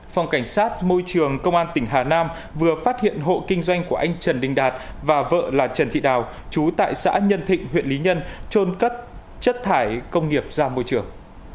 phòng cảnh sát môi trường công an tỉnh hà nam vừa phát hiện hộ kinh doanh của anh trần đình đạt và vợ là trần thị đào chú tại xã nhân thịnh huyện lý nhân trôn cất chất thải công nghiệp ra môi trường